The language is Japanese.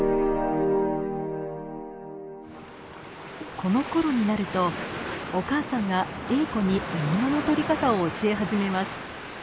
このころになるとお母さんがエーコに獲物のとり方を教え始めます。